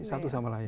satu sama lain